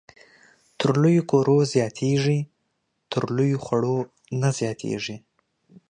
تر لويو کورو زياتېږي ، تر لويو خړو نه زياتېږي